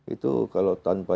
itu kalau tanpa